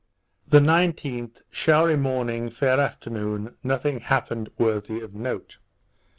The 19th, showery morning; fair afternoon, nothing happened worthy of note.